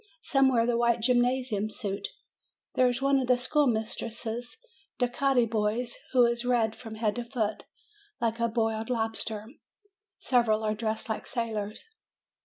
Some wear the white gymnasium suit. There is one of Schoolmistress Delcati's boys who is red from head to foot, like a boiled lobster. Several are dressed like sailors.